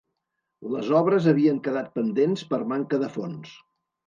Les obres havien quedat pendents per manca de fons.